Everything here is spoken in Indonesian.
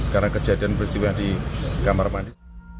karena kejadian peristiwa di kamar mandi